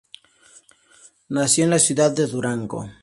Nació en la ciudad de Durango.